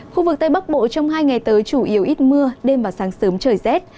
khu vực tây bắc bộ trong hai ngày tới chủ yếu ít mưa đêm và sáng sớm trời rét